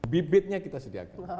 bibitnya kita sediakan